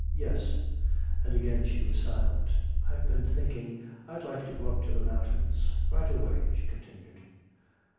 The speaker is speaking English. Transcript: "Yes." And again she was silent. "I've been thinking I'd like to go up to the mountains right away," she continued.